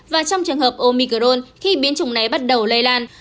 và trong trường hợp omicron khi biến chủng này bắt đầu lây lan